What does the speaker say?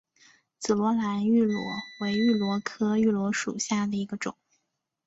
紫萝兰芋螺为芋螺科芋螺属下的一个种。